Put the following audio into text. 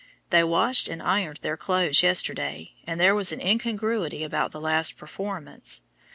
They washed and ironed their clothes yesterday, and there was an incongruity about the last performance.